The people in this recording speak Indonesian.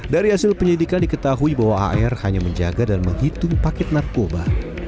dari hasil penyidikan diketahui bahwa ar hanya menjaga dan menghitung paket narkoba